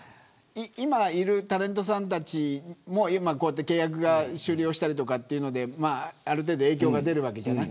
今いるタレントさんたちも契約が終了したりとかっていうのである程度影響が出るわけじゃない。